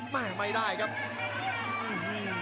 ไม่ได้ครับ